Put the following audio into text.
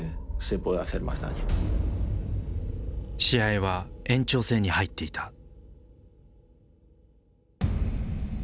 試合は延長戦に入っていた。